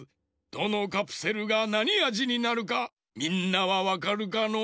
どのカプセルがなにあじになるかみんなはわかるかの？